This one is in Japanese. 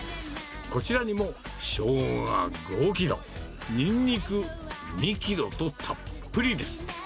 こちらにもしょうが５キロ、ニンニク２キロとたっぷりです。